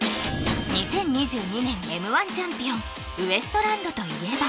２０２２年Ｍ−１チャンピオンウエストランドといえば！